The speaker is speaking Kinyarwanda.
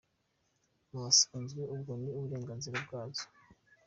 Mu busanzwe, ubwo ni uburenganzira bwazo.